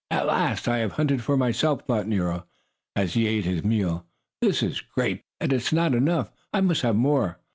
"At last I have hunted for myself!" thought Nero, as he ate his meal. "This is great! But it is not enough. I must have more!"